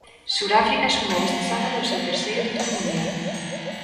Suráfrica sumou este sábado o seu terceiro título mundial.